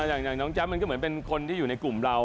อย่างน้องแจ๊บมันก็เหมือนเป็นคนที่อยู่ในกลุ่มเรา